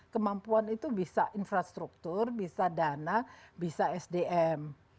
kemampuan itu bisa infrastruktur bisa dana bisa sdm